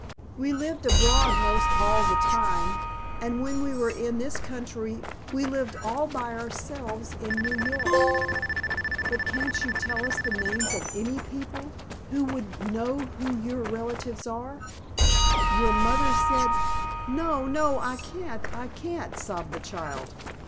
We lived abroad 'most all the time, and when we were in this country we lived all by ourselves in New York." "But can't you tell us the names of any people who would know who your relatives are? Your mother said——" "No, no, I can't, I can't!" sobbed the child.